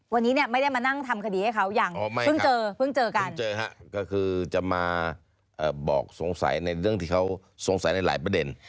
วันนี้เนี่ยไม่ได้มานั่งทำคดีให้เขายังเพิ่งเจอเพิ่งเจอกันก็คือจะมาบอกสงสัยในเรื่องที่เขาสงสัยในหลายประเด็น